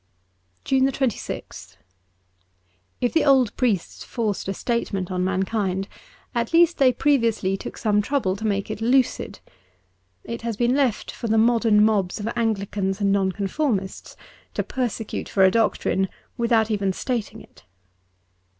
194 JUNE 26th IF the old priests forced a statement on man kind, at least they previously took some trouble to make it lucid. It has been left for the modern mobs of Anglicans and Noncon formists to persecute for a doctrine without even stating it.